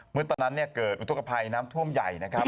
เมื่อตอนนั้นเกิดอุทุกภัยน้ำท่วมใหญ่